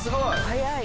早い。